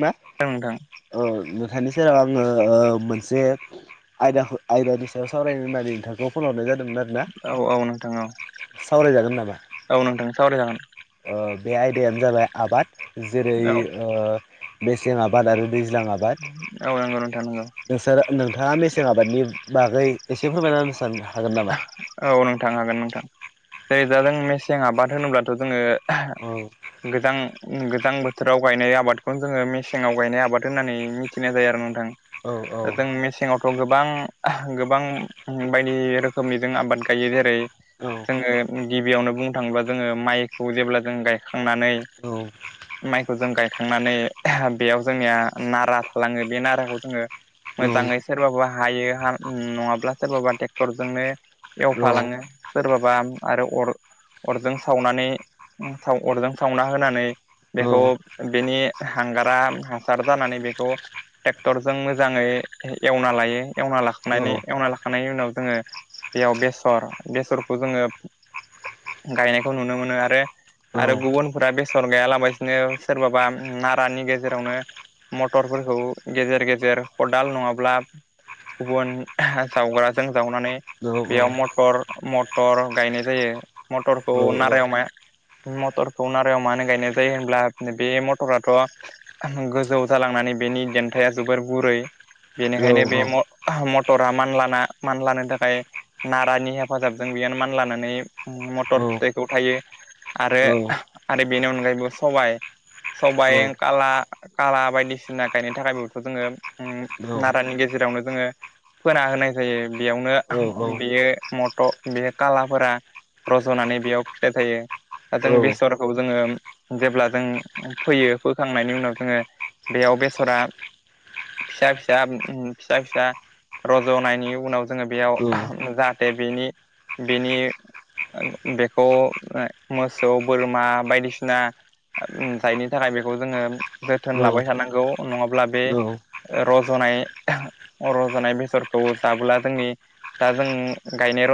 ना औ नोंथां ओ नोंथांनि सेराव आङो ओ मोनसे आयदाखौ आयदानि सायाव सावरायनो होननानै नोंथांखौ फन हरनाय जादोंमोन आरो औ औ नोंथां औ सावरायजागोन नामा औ नोंथां सावराय जागोन ओ बे आयदायानो जाबाय आबाद जेरै औ ओ मेसें आबाद आरो दै ज्लां आबाद औ नंगौ नोंथां नंगौ नोंसोर नोंथाङा मेसें आबादनि बागै एसे फोरमायना होनो सानो ना औ नोंथां हागोन नोंथां नै दा जों मेसें आबाद होनोब्लाथ' जोङो औ गोजां गोजां बोथोराव गायनाय आबादखौनो जोङो मेसेङाव गायनाय आबाद होननानै मिथिनाय जायो आरो नोंथां औ औ जों मेसेङावथ' गोबां गोबां बायदि रोखोम रोखोमनिजों आबाद गायो जेरै औ जोङो गिबियावनो बुंनो थाङोब्ला जोङो माइखौ जेब्ला जों गायखांनानै औ माइखौ जों गायखांनानै बेयाव जोंनिया नारा थालाङो बे नाराखौ जोङो औ मोजाङै सोरबाबा हायो नङाब्ला सोरबाबा ट्रेक्टर जोंनो औ एवफालाङो सोरबाबा आरो अर अरजों सावनानै अरजों सावना होनानै औ बेखौ बेनि हांगारा हासार जानानै बेखौ ट्रेक्टरजों मोजाङै एवना लायो एवना लाखांनानै एवना लाखांनायनि उनाव जोङो बेयाव बेसर बेसरखौ जोङो गायनायखौ नुनो मोनो आरो आरो गुबुनफोरा बेसर गैयाला बासिनो सोरबाबा नारानि गेजेरावनो मटरफोरखौ गेजेर गेजेर खदाल नङाब्ला गुबुन जावग्राजों जावनानै बेयाव मटर मटर गायनाय जायो मटरखौ नारायाव मा मटरखौ नारायाव मानो गायनाय जायो होनब्ला बे मटराथ' गोजौ जालांनानै नै बेनि देन्थाया जोबोर गुरै बेनिखायनो बे मटरा मानलाना मानलानो थाखाय नारानि हेफाजाबजों बेयनो मान लानानै मटर फिथाइखौ थायो आरो आरो बेनि अनगायैबो सबाय सबायाइ काला काला बायदिसिना गायनो थाखाय बेबोथ' जोङो नारानि गेजेराव जेरावनो जोङो फोना होनाय जायो बेयावनो बेयो मटर बेयो खालाफोरा रज'नानै बेयाव फिथाइ थायो द जों बेसरखौ जोङो जेब्ला जों फोयो फोखांनायनि उनाव जोङो दैयाव बेसरा फिसा फिसा फिसा फिसा रज'नायनि उनाव जोङो बेयाव औ जाहाथे बेनि बेनि बेखौ मोसौ बोरमा बायदिसिना जायनि थाखाय बेखौ जोङो जोथोन औ औ लाबाय थानांगौ नङाब्ला औ बे रज'नाय रज'नाय बेसरखौ जाबो्ला जोंनि दा जों गायनाय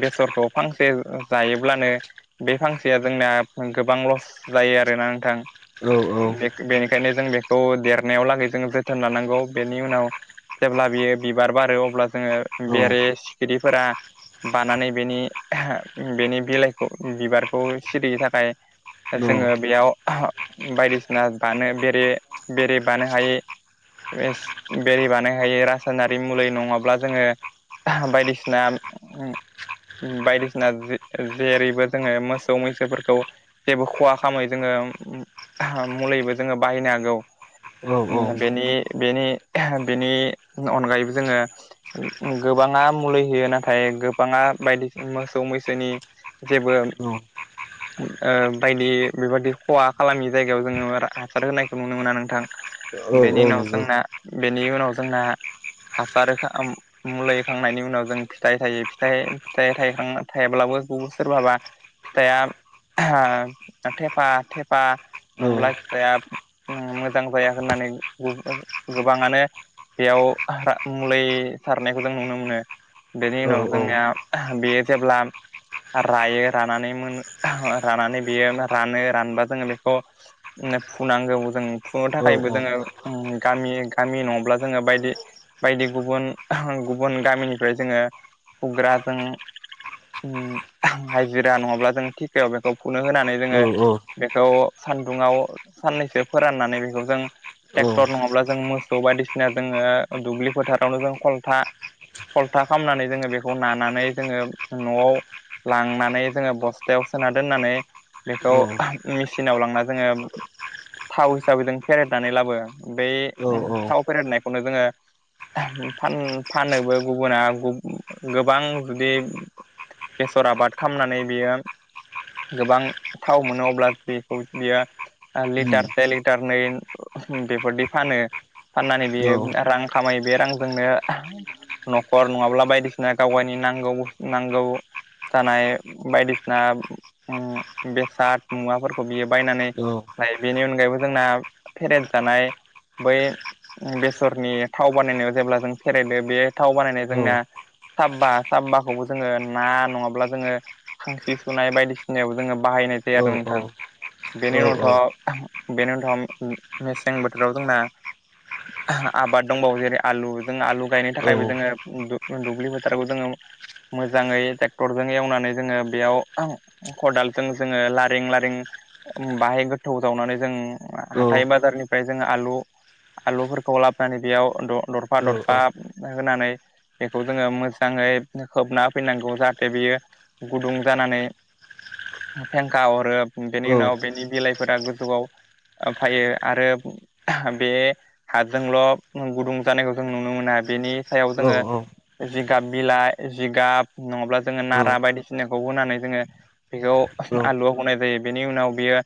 बेसरखौ फांसे जायोब्लानो बे फांसेया जोंना गोबां लस जायो आरोना नोंथां बेनिखायनो जों बेखौ देरनायाव लागै जों जोथोन लानांगौ बेनि उनाव जेब्ला बियो बिबार बारो अब्ला जोङो बेरे सिखिरिफोरा बानानै बेनि बेनि बिलाइखौ बिबारखौ सिरिनि थाखाय जोङो बेयाव बायदिसिना बानो बेरे बेरे बानो हायै बेरि बानाय हायो रासायनारि मुलि नङाब्ला जोङो बायदिसिना बायदिसिना जेरैबो जोङो मोसौ मैसोफोरखौ जेबो खहा खालामै जोङो मुलिबो जोङो बाहायनो हागौ औ बेनिनि बेनि अनगायैबो जोङो गोबाङा मुलि होयो नाथाय गोबाङा बायदि मोसौ मैसोनि जेबो बायदि बेबायदि खहाा खालामि जायगायाव जोङो हासार होनायखौ नुनो मोना नोंथां औ बेनि उनाव जोंना बेनि उनाव जोंना हासारार मुलिखांनायनि उनाव जों फिथाइ थायो फिथ फिथाइ थायखां थायाब्लाबो ब सोरबाबा फिथाइया थेफा थेफा नंला फिसाया मोजां जाया होननानै गोबाङानो बेयाव मुलै सारनायखौ जों नुनो मोनो बेनि उनाव जोंनिया बेयो जेब्ला रायो रानानै मोन रानानै बेयो रानो रानबा जोङो बेखौ फुनांगो जों फुनो थाखायबो जोङो ग गामि नङ्ला जोङो बायदि बायदि गुबुन गुबुन गामिनिफ्राय जोङो खुग्राजों उ हाजिरा नङाब्ला जों थिकायाव बेखौ फुनो होनानै जोङो बेखौ सान्दुङाव साननैसो फोराननानै बेखौ जों ट्रेक्टर नङाब्ला जों मोसौ बायदिसिना जोङो दुब्लि फोथारावनो जों खलथा खलथा खालामनानै जोङो बेखौ नानानै जोङो न'आव लांनानै जोङो बस्थायाव सोना दोननानै बेखौ मेसिनाव लांना जोङो थाव हिसाबै जों फेरेदनानै लाबो बेै थाव फेरेेरनायखौनो जोङो फान फानोबो गुबुना गोबां जुदि बेसर आबाद खालामनानै बियो गोबां थाव मोनो अब्ला बेखौ बियो लिटार से लिटार नै बेफोरदि फानो फाननानै बेयो रां खामायो बे रां जोंनो न'खर नङाब्ला बायदिसिना गाव गावनि नांगौ नांगौ। जानाय बायदिसिना बेसाद मुवाफोरखौ बियो बायनानै लायो। बेनि अनगायैबो जोंना फेरेद जानाय बै बेसरनि थाव बानायनायाव जेब्ला जों फेररायदो बे थाव बानायनाय जोंना साबा साबाखौबो जोङो ना नङाब्ला जोङो खांसि सुनाय बायदिसिनायबो जोङो बाहाय बाहायनाय जायो आरो नोंथां। बेनि उन बेनि उनाव मेसें बोथोराव जोंना आबाद दंबावो जेरै आलु जों आलु गायनो थाखायबो जोङो दुब्लि बोथोरखौ जोङो मोजाङै ट्रेक्टरजों एवनानै जोङो बेयाव खदालजों जोङो लारिें लारिें बाहाय गोथौ जावनानै जों हाथाइ बाजारनिफ्राय जोङो आलु आलुफोरखौ लाबोनानै बेयाव दरफा दरफा होनानै बेखौ जोङो मोजाङै खोबना हो फैनांगौ जाहाथे बियो गुदुं जानानै फेंखा हरो बेनि उनाव बेनि बिलाइफोरा गोजौआव फैयो आरो बे हाजोंल' गुदुं जानायखौ जों नुनो मोना बेनि सायाव जोङो जिगाब बिलाइ जिगाब नङाब्ला जोङो नारा बायदिसिनाखौ होनानै जोङो बेखौ आलुआव हनाय जायो बेनि उनाव बियो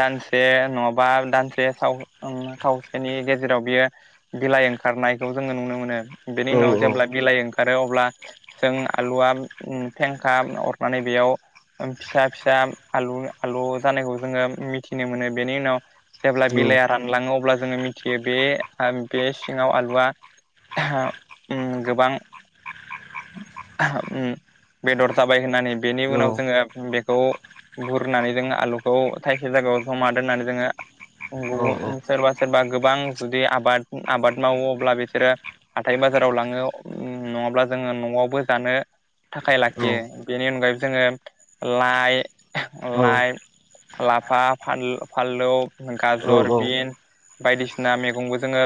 दानसे नङाबा दानसे साव खावसेनि गेजेराव बियो बिलाइ ओंखा ओंखारनायखौ जोङो नुनो मोनो बेनि उनाव जेब्ला बिलाइ ओंखारो अब्ला जों आलुआ फेंखा अरनानै बेयाव फिसा फिसा आलु आलु जानायखौ जोङो मिथिनो मोनो। बेनि उनाव जेब्ला बिलाइआ रानलाङो अब्ला जोङो मिथियो बे बे सिङाव आलुआ गोबां उम बेदर जाबाय होननानै बेनि उनाव जोङो बेखौ बुरनानै जोङो आलुखौ थाइसे जायगा याव जमा दोननानै जोङो गुबुन सोरबा सोरबा गोबां जुदि आबाद आबाद मावो अब्ला बिसोरो हाथाय बाजाराव लाङो नङाब्ला जोङो न'आवबो जानो थाखाय लाखियो बेनि अनगायैबो जोङो लाइ लाइ लाफा फान फानलु गाजर बिन बायदिसिना मैगंबो जोङो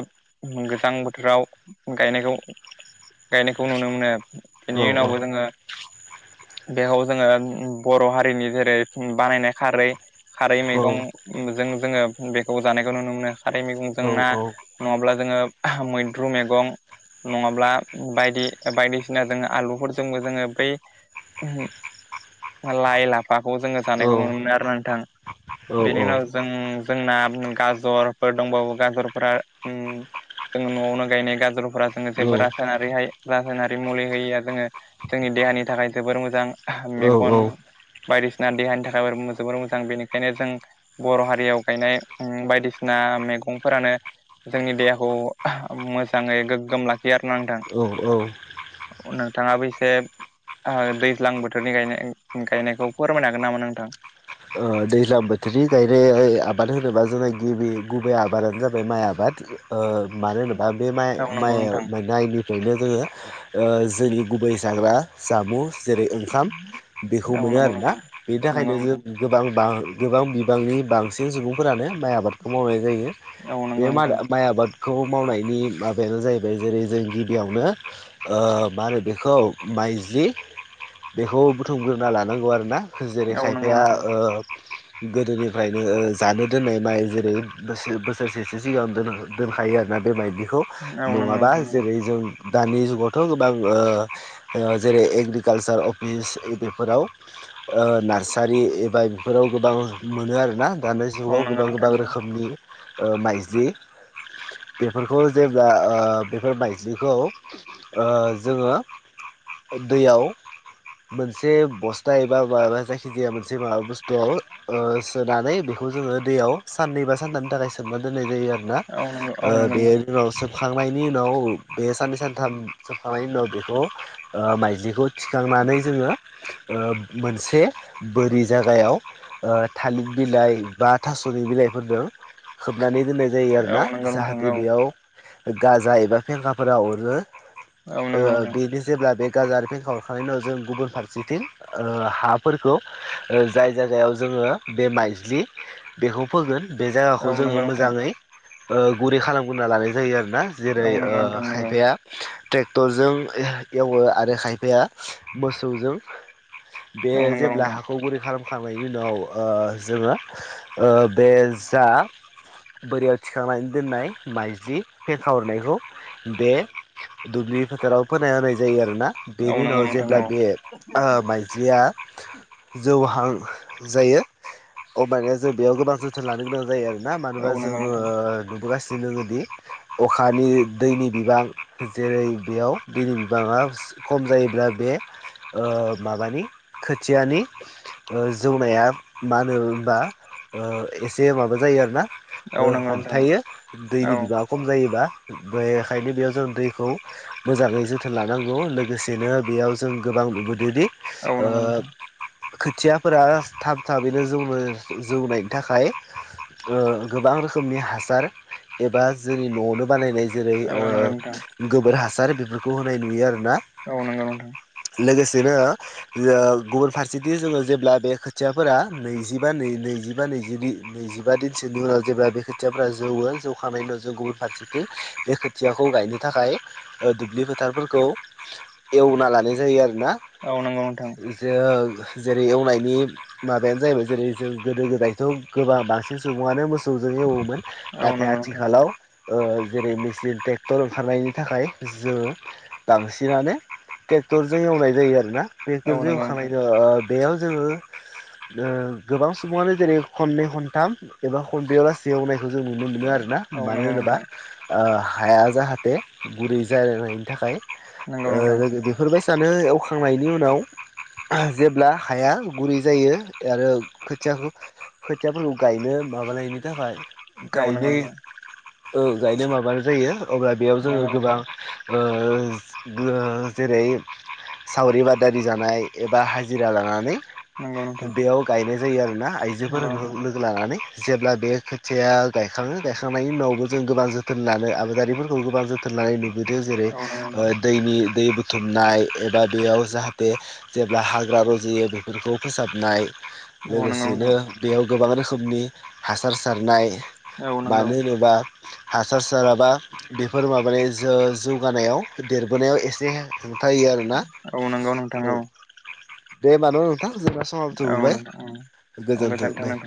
गोजां बोथोराव गायनायखौ गायनायखौ नुनो मोनो बेनि उनावबो जोङो [inaudible] बेखौ जोङो बर' हारिनि जेरै बानायनाय खारै खारै मैगं जे खौ जानाय नुनो मोनो खारै मैगंजों ना नङाब्ला जोङो मैद्रु मैगं नङाब्ला बायदि बायदिसिना जोङो आलुफोरजोंबो जोङो बै लाइ लाफाखौ जोङो जानायखौ नुनो मोनो आरो ना नोंथां। बेनि उनाव जों जोंना गाजरफोर दंबावो गाजरफोरा ओ जोङो न'आवनो गायनाय गाजरफोरा जोङो जेबो रासायनारि रासायनारि मुलि होयै जोङो जोंनि देहानि थाखाय जोबोर मोजां मेगन बायदिसिना देहानि थाखाय जोबोर मोजां बेनिखायनो जों बर' हारियाव गायनाय बायदिसिना मैगंफोरानो जोंनि देहा मोजाङै गोग्गोम लाखियो आरोना नोंथां। औ औ नोंथाङाबो एसे दैज्लां बोथोरनि गायनाय गायनायखौ फोरमायनो हागोन नामा नोंथां? दैज्लां बोथोरनि गायनाय आबाद होनोबा जोंना गिबि गुबै आबादानो जाबाय माइ आबाद मानो होनोबा बे माइ औ नंगौ नोंथां माइनि बेनो जोङो जोंनि गुबै जाग्रा जामुं जेरै ओंखाम बेखौ औ मोनो नंगौ आरोना नोंथां बेनि नंगौ थाखायनो नोंथां जों गोबां बां गोबां बिबांनि बांसिन सुबुं फोरानो माइ आबादखौ मावनाय जायो औ बे नंगौ नोंथां माइ आबादखौ मावनाय माबायानो जाहैबाय जेरै जों गिबियावनो मा होनो बेखौ माइज्लि बेखौ बुथुमग्रोना लानांगौ आरोना जेरै औ नंगौ खायफाया नोंथां गोदोनिफ्रायनो जानो दोननाय माइ जेरै बोसोरसेसो सिगां दोनखायो आरो। दा बेबायदिखौ औ नंगौ नङाबा नोंथां जेरै जों दानि जुगावथ' गोबां जेरै एग्रिकालसार अफिस बेफोराव नार्सारि बाय बेफोराव गोबां मोनो आरोना दानि औ जुगाव नंगौ गोबां नोंथां गोबां रोखोमनि माइज्लि बेफोरखौ जेब्ला बेफोर माइजिखौ ओ जोङो दैयाव मोनसे बस्था एबा माबा जायखिजाया मोनसे जेबा बुस्थुआव सोनानै बेखौ जोङो दैयाव साननै बा सानथामानि थाखाय सोमनानै दोननाय यो आरो ना औ नंगौ औ नंगौ बे नोंथां उनावसो जोबखांनायनि उनाव बे साननै सानथाम जोबखांनायनि उनाव बेखौ माइज्लिखौ थिखांनानै जोङो मोनसे बोरि जागायाव थालिर बिलाइ बा थास'नि बिलाइफोरजों खोबनानै दोननाय जायो औ आरोना। नंगौ नोंथां जाहाथे बेयाव गाजा एबा फेंखाफोरा अरो। औ नंगौ आं नोंथां बिनि जेब्ला बे गाजार फेंखा अरखांनायनि उनाव जों गुबुन फारसेथिं हाफोरखौ जाय जायगायाव जोङो बे माइज्लि बेखौ फोगोन। बे जायगाखौ जोङो मोजाङै गुरै खालामग्रोना लानाय जायो आरो। ना जेरै औ नंगौ नोंथां औ नंगौ नोंथां नंगौ खायफाया ट्रेक्टरजों एवो आरो खायफाया मोसौजों बे औ नंगौ जेब्ला नोंथां हाखौ गुरै खालामखांनायनि उनाव जोङो बे जा बोरियाव थिखांनानै दोननाय माइज्लि फेंखा हरनायखौ बे दुब्लि फोथाराव फोना होनाय जायो आरोना। औ बेनि नंगौ उनाव नोंथां जेब्ला बे माइज्लिया जौहां जायो अबाना जों बेयाव गोबां जोथोन लानो गोनां जायो आरो। ना औ मानोबा जों नंगौ नोंथां नुबोगासिनो। जोङोदि अखानि दैनि बिबां जेरै बेयाव दैनि बिबाङा खम जायोब्ला बे माबानि खोथियानि जौनाया मा होनो होनबा एसे माबा जायो आरोना औ नंगौ नोंथां हमथायो औ दैनि बिबाङा खम जायोबा बेखायनो बेयाव जों दैखौ मोजाङै जोथोन लानांगौ लोगोसेनो बेयाव जों गोबां नुबोदोंदि औ ओ नंगौ नोंथां खोथियाफोरा थाब थाबैनो जौनो जौनायनि थाखाय गोबां रोखोमनि हासार एबा जोंनि न'आवनो बानायनाय ज औ नंगौ नोंथां औ नंगौ नोंथां औ नंगौ नोंथां जेरै गोबोर हासार बेफोरखौ होनाय नुयो आरो ना औ नंगौ नथां लोगोसेनो गुबुन फारसेथि जोङो जेब्ला बे खोथियाफोरा नैजिबा न नैजिबा नैजि नैजिबा दिनसोनि उनाव जेब्ला बे खोथियाफोरा जौव जौखानायनायनि जों गुबुन फारसेथि बे खोथियाखौ गायनो थाखाय दुब्लि फोथारफोरखौ एवना लानाय जायो आरोना जों जेरै एवनायनि माबायानो जाहैबाय जेरै जों गोदो गोदायथ' गोबां बांसिन सुबुङानो मोसौ एवोमोन नाथाय आथिखालाव जेरै मेचिन ट्रेक्टर ओंखारनायनि थाखाय जों बांसिनानो बेक्टरजों एवनाय जायो आरो ना बेक्टरजों एवखांनाय जायो बेयाव जोङो गोबां सुबुङानो जेरै खननै खनथाम एबा खनब्रयावला सेवनाय बेखौ जों नुनो मोनो आरोना औ मानो नंगौ होनोबा नोंथां हाया जाहाथे बुरै जालायनायनि थाखाय नंगौ नोंथां बेफोरबाय सानो एवखांनायनि उनाव जेब्ला हाया गुरै जायो आरो खोथियाखौ खोथियाफोरखौ गायनो माबालायनो थाखाय औ गायनो नंगौ गायनो माबानो जायो अब्ला बेयाव जोङो नंगौ गोबां नोंथां जेरै सावरि बादारि जानाय एबा हाजिरा लानानै नंगौ नोंथां नंगौ नोंथां बेयाव गायनाय जायो आरोना आइजोफोरफोरखौ लोगो लानानै जेब्ला बे खोथिया गायखाङो गायखांनायनि उनावबो जों गोबां जोथोन लानो आबादारिफोरखौ गोबां जोथोन सनानै नुबोदों जेरै औ नंगौ नोंथां औ नंगौ नोंथां दैनि दै बुथुमनाय एबा बेयाव जाहाथे जेब्ला हाग्रा रज'यो बेफोरखौ फोसाबनाय लोगोसेनो बेयाव गोबां रोखोमनि हासार सारनाय औ नंगौ बानोबा हासार साराबा बेफोर माबानाय जौगानायाव देरबोनायाव एसे हेंथायो आरो ना औ नंगौ नोंथां औ दे मानो नोंथां जेब्ला सहाबथ' औ होबाय नोंथां औ गोजोन्थों दे नोंथां